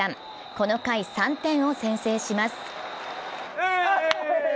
この回、３点を先制します。